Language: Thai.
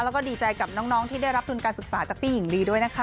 แล้วก็ดีใจกับน้องที่ได้รับทุนการศึกษาจากพี่หญิงลีด้วยนะคะ